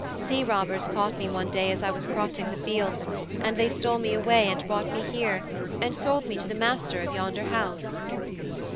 Sea robbers caught me one day as I was crossing the fields, and they stole me away, and brought me here, and sold me to the master of yonder house."'